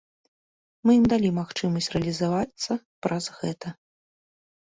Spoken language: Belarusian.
Мы ім далі магчымасць рэалізавацца праз гэта.